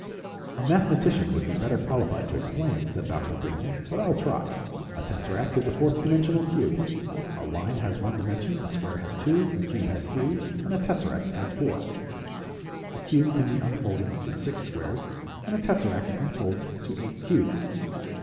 "A mathematician would be better qualified to explain," said Dr. Brinton, "but I'll try. A tesseract is a fourth dimensional cube. A line has one dimension, a square has two, a cube has three, and a tesseract has four. A cube can be unfolded into six squares, and a tesseract unfolds to eight cubes.